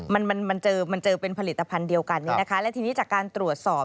มันเจอเป็นผลิตภัณฑ์เดียวกันนี้นะคะและทีนี้จากการตรวจสอบ